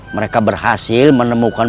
mereka berhasil menemukan